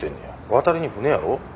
渡りに船やろ。